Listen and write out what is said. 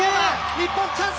日本チャンス！